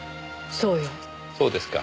そうですか。